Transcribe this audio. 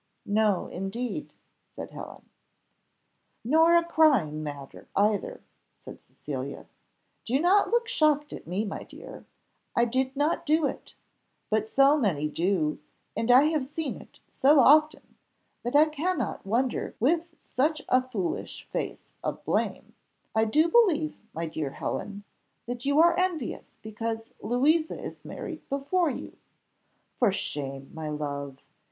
"No indeed," said Helen. "Nor a crying matter either," said Cecilia. "Do not look shocked at me, my dear, I did not do it; but so many do, and I have seen it so often, that I cannot wonder with such a foolish face of blame I do believe, my dear Helen, that you are envious because Louisa is married before you! for shame, my love!